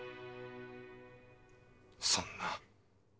そんな。